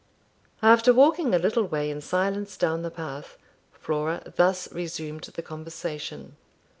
After walking a little way in silence down the path, Flora thus resumed the conversation.